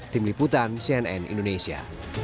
tim liputan cnn indonesia